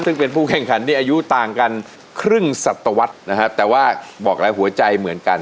ซึ่งเป็นผู้แข่งขันที่อายุต่างกันครึ่งสัตวรรษนะฮะแต่ว่าบอกแล้วหัวใจเหมือนกัน